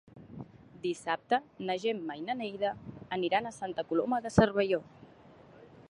Dissabte na Gemma i na Neida aniran a Santa Coloma de Cervelló.